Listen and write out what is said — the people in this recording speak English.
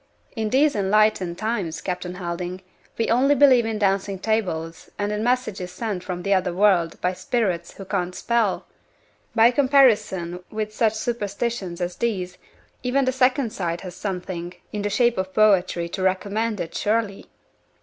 "In these enlightened times, Captain Helding, we only believe in dancing tables, and in messages sent from the other world by spirits who can't spell! By comparison with such superstitions as these, even the Second Sight has something in the shape of poetry to recommend it, surely?